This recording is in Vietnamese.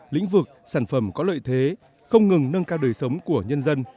lĩnh vực sản phẩm có lợi thế không ngừng nâng cao đời sống của nhân dân